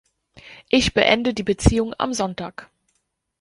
Ich beende die Beziehung am Sonntag.